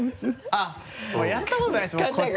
あっやったことないですもん